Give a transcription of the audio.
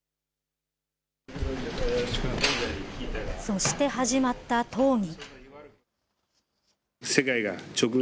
そして始まった討議。